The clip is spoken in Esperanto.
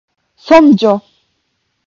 sonĝo